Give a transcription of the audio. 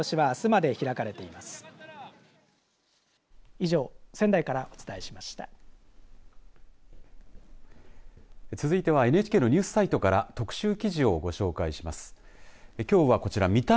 以上、仙台からお伝えしました。